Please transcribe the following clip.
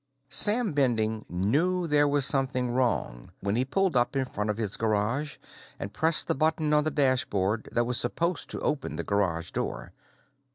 Sam Bending knew there was something wrong when he pulled up in front of his garage and pressed the button on the dashboard that was supposed to open the garage door.